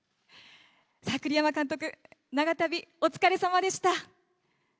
栗山監督、長旅、お疲れさまでした。